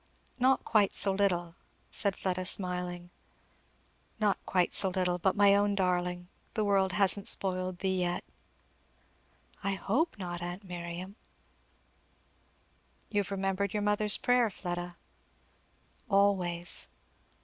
"Not quite so little," said Fleda smiling. "Not quite so little, but my own darling. The world hasn't spoiled thee yet." "I hope not, aunt Miriam." "You have remembered your mother's prayer, Fleda?" "Always!"